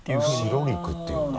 白肉っていうんだ。